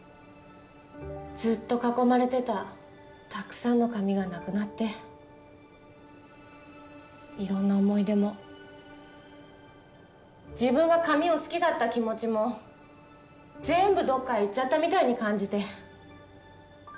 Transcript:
ずっと囲まれてたたくさんの紙がなくなっていろんな思い出も自分が紙を好きだった気持ちも全部どっかへ行っちゃったみたいに感じて。